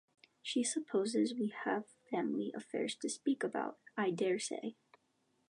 She supposes we have family affairs to speak about, I dare say.